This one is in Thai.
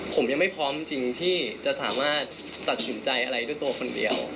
ผมยังไม่พร้อมจริงที่จะสามารถตัดสินใจอะไรด้วยตัวคนเดียว